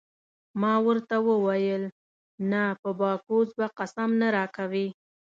ما ورته وویل: نه په باکوس به قسم نه راکوې.